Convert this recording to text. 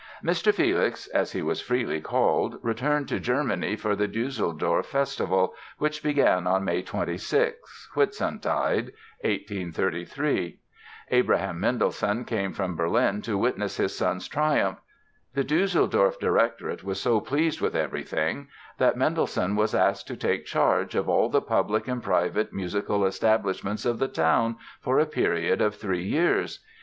"Mr. Felix", as he was freely called, returned to Germany for the Düsseldorf festival, which began on May 26 (Whitsuntide), 1833. Abraham Mendelssohn came from Berlin to witness his son's triumph. The Düsseldorf directorate was so pleased with everything that Mendelssohn was asked to take charge "of all the public and private musical establishments of the town" for a period of three years.